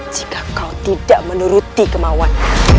jika kau tidak menuruti kemauan